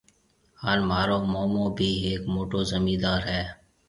هانَ مهارو مومو بي هيَڪ موٽو زميندار هيَ۔